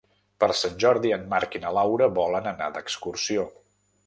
Per Sant Jordi en Marc i na Laura volen anar d'excursió.